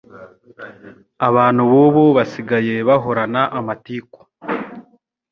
Abantu bubu basigaye bahorana amatiku